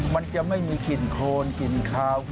มันจะไม่มีกลิ่นโคนกลิ่นขาว